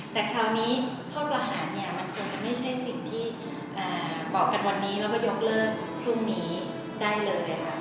แต่คราวนี้ข้อประหารเนี่ยมันคงจะไม่ใช่สิ่งที่บอกกันวันนี้แล้วก็ยกเลิกพรุ่งนี้ได้เลยค่ะ